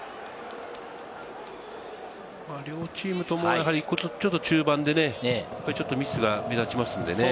両チームとも中盤でミスが目立ちますんでね。